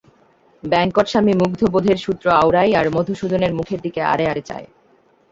বেঙ্কটস্বামী মুগ্ধবোধের সূত্র আওড়ায় আর মধুসূদনের মুখের দিকে আড়ে আড়ে চায়।